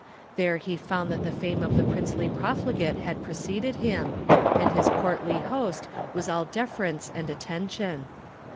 Here he found that the fame of the princely profligate had preceded him, and his portly host was all deference and attention.